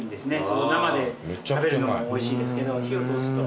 生で食べるのもおいしいですけど火を通すと。